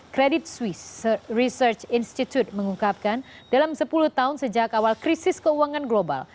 credit swiss research institute mengungkapkan dalam sepuluh tahun sejak awal krisis keuangan global